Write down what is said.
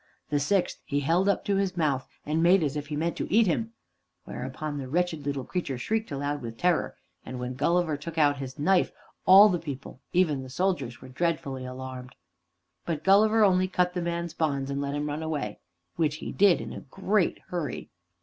The sixth he held up to his mouth and made as if he meant to eat him, whereupon the wretched little creature shrieked aloud with terror, and when Gulliver took out his knife, all the people, even the soldiers, were dreadfully alarmed. But Gulliver only cut the man's bonds, and let him run away, which he did in a great hurry.